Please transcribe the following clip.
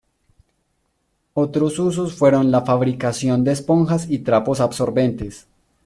Otros usos fueron la fabricación de esponjas y trapos absorbentes.